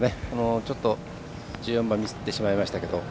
ちょっと１４番ミスってしまいましたけど。